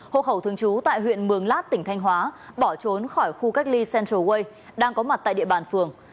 hộ khẩu thường trú tại huyện mường lát tỉnh thanh hóa bỏ trốn khỏi khu cách ly central way đang có mặt tại địa bàn phường